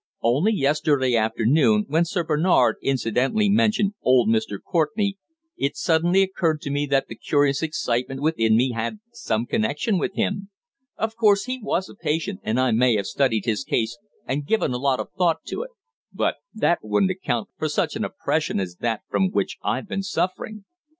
Only yesterday afternoon, when Sir Bernard incidentally mentioned old Mr. Courtenay, it suddenly occurred to me that the curious excitement within me had some connection with him. Of course he was a patient, and I may have studied his case and given a lot of thought to it, but that wouldn't account for such an oppression as that from which I've been suffering."